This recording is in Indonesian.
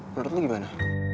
menurut lo gimana